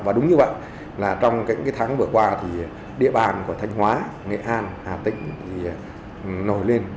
và đúng như vậy là trong những tháng vừa qua thì địa bàn của thanh hóa nghệ an hà tĩnh thì nổi lên